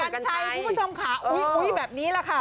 ัญชัยคุณผู้ชมค่ะอุ๊ยแบบนี้แหละค่ะ